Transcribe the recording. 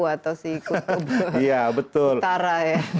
atau si kubu utara ya